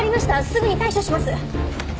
すぐに対処します。